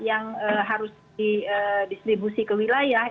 yang harus didistribusi ke wilayah